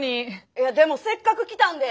いやでもせっかく来たんで。